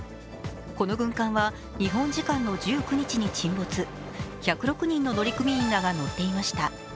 この軍艦は、日本時間の１９日に沈没１０６人の乗組員らが乗っていました